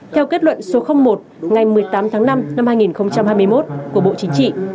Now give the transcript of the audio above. theo kết luận số một ngày một mươi tám tháng năm năm hai nghìn hai mươi một của bộ chính trị